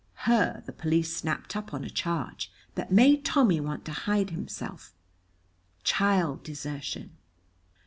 Her the police snapped up on a charge; that made Tommy want to hide himself child desertion.